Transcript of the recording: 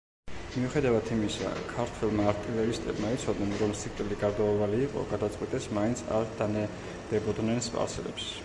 მიუხედავად იმისა, ქართველმა არტილერისტებმა იცოდნენ, რომ სიკვდილი გარდაუვალი იყო, გადაწყვიტეს მაინც არ დანებებოდნენ სპარსელებს.